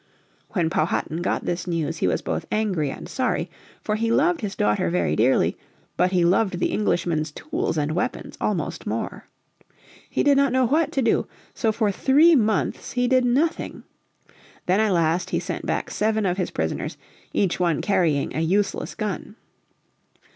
When Powhatan got this news he was both angry and sorry. For he loved his daughter very dearly, but he loved the Englishmen's tools and weapons almost more. He did not know what to do, so for three months he did nothing. Then at last he sent back seven of his prisoners, each one carrying a useless gun.